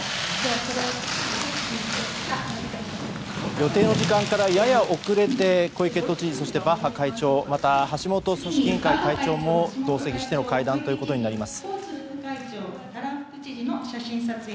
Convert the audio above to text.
予定の時間からやや遅れて小池都知事、バッハ会長また橋本組織委員会会長も同席しての会談となります。